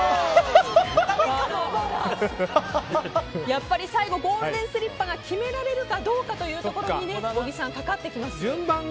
やっぱり最後ゴールデンスリッパが決められるかどうかというところに小木さん、かかってきます。